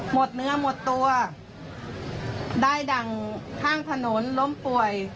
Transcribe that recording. หมดเนื้อหมดตัวได้ดั่งข้างถนนล้มป่วย